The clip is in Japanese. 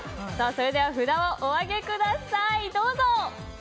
それでは札をお上げください。